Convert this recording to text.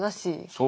そう。